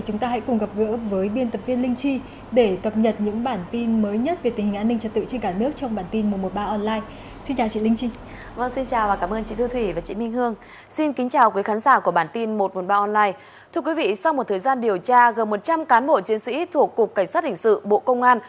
thưa quý vị sau một thời gian điều tra gần một trăm linh cán bộ chiến sĩ thuộc cục cảnh sát hình sự bộ công an